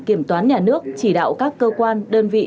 kiểm toán nhà nước chỉ đạo các cơ quan đơn vị